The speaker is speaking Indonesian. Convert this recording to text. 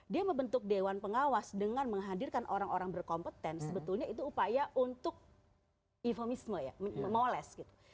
dia membentuk dewan pengawas dengan menghadirkan orang orang berkompeten sebetulnya itu upaya untuk ivomisme ya moles gitu